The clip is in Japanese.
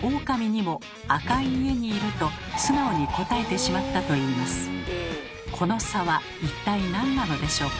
しかしこの差は一体なんなのでしょうか？